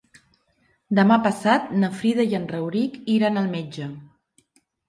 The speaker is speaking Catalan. Demà passat na Frida i en Rauric iran al metge.